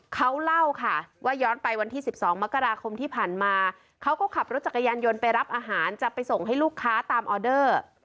เขาเล่าค่ะว่าย้อนไปวันที่๑๒มกราคมที่ผ่านมาเขาก็ขับรถจักรยานยนต์ไปรับอาหารจะไปส่งให้ลูกค้าตามออเดอร์